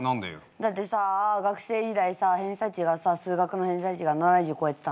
だってさ学生時代さ偏差値がさ数学の偏差値が７０超えてたんだもん。